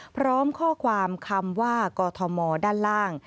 พร้อมข้อความคำว่ากอทมด้านล่าง